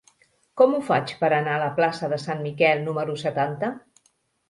Com ho faig per anar a la plaça de Sant Miquel número setanta?